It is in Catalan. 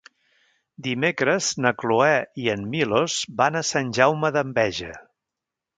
Dimecres na Cloè i en Milos van a Sant Jaume d'Enveja.